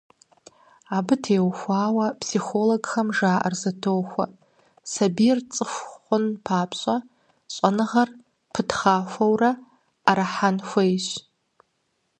Абы теухуауэ психологхэм жаӀэр зэтохуэ: сабийр цӀыху хъун папщӀэ щӀэныгъэр пытхъахуэурэ Ӏэрыхьэн хуейщ.